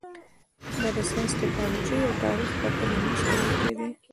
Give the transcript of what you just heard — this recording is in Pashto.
دا د ساینس، ټکنالوژۍ او تاریخ په تله نه شي تلل کېدای.